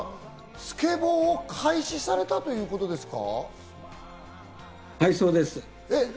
スケボーを開始されたということですか？